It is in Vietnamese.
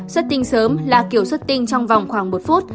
xuất tinh sớm là kiểu xuất tinh trong vòng khoảng một phút